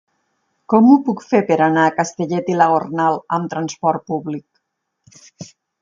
Com ho puc fer per anar a Castellet i la Gornal amb trasport públic?